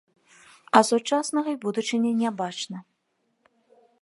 А сучаснага і будучыні не бачна.